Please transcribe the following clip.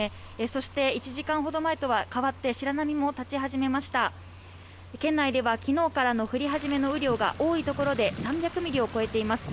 そして１時間ほど前とは変わって白波も立ち始めました県内ではきのうからの降り始めの雨量が多い所で３００ミリを超えています